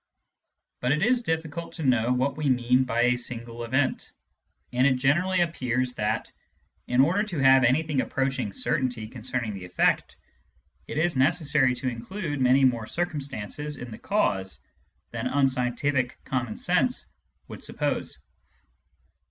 But it is difficult to know what we mean by a single event ; and it generally appears that, in order to have anything approaching certainty concerning the efFect, it is necessary to include many more circumstances in the cause than unscientific common sense would suppose.